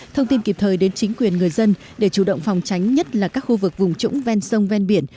thông tin kịp thời đến chính quyền người dân để chủ động phòng tránh nhất là các khu vực vùng trũng ven sông ven biển